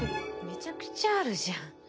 めちゃくちゃあるじゃん。